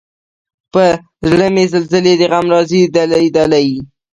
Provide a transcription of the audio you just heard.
پۀ زړۀ مې زلزلې د غم راځي دلۍ، دلۍ